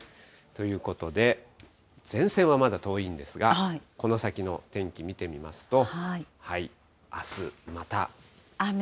ということで、前線はまだ遠いんですが、この先の天気見てみますと。